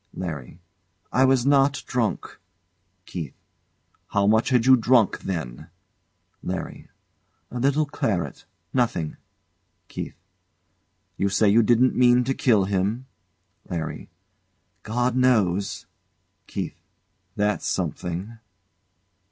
LARRY. I was not drunk. KEITH. How much had you drunk, then? LARRY. A little claret nothing! KEITH. You say you didn't mean to kill him. LARRY. God knows. KEITH. That's something.